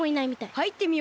はいってみようか。